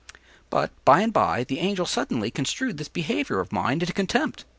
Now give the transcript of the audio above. But, by and by, the Angel suddenly construed this behavior of mine into contempt.